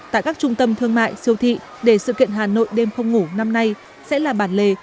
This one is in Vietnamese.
tại các trung tâm thương mại siêu thị để sự kiện hà nội đêm không ngủ năm nay sẽ là bản lề